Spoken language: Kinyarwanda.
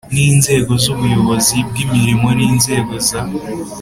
N inzego z ubuyobozi bw imirimo n inzego za